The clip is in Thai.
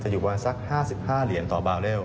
จะอยู่บนสัก๕๕เหรียญต่อบาทเร็ว